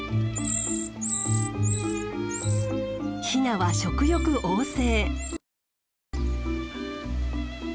ヒナは食欲旺盛。